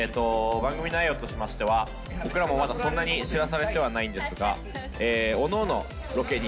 番組内容としましては僕らもまだそんなに知らされてはないんですが。